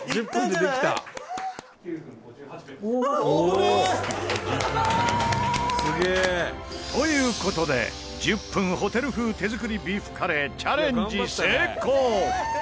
「危ねえ！」という事で１０分ホテル風手作りビーフカレーチャレンジ成功！